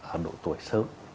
ở độ tuổi sớm